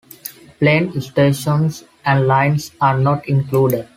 Planned stations and lines are not included.